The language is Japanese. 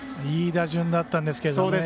いい打順だったんですけど。